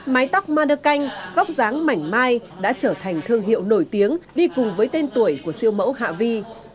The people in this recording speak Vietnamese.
mái tóc mannequin góc dáng mảnh mai đã trở thành thương hiệu nổi tiếng đi cùng với tên tuổi của siêu mẫu hạ vi